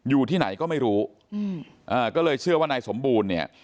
อยู่ที่ไหนก็ไม่รู้อืมอ่าก็เลยเชื่อว่านายสมบูรณ์เนี่ย